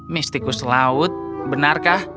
mistikus laut benarkah